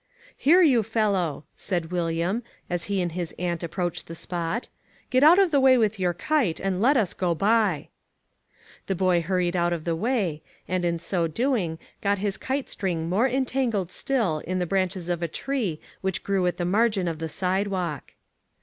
"Here, you fellow!" said William, as he and his aunt approached the spot, "get out of the way with your kite, and let us go by." The boy hurried out of the way, and, in so doing, got his kite string more entangled still in the branches of a tree which grew at the margin of the sidewalk.